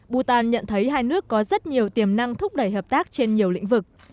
bhutan nhận thấy hai nước có rất nhiều tiềm năng thúc đẩy hợp tác trên nhiều lĩnh vực